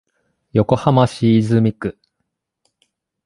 横浜市泉区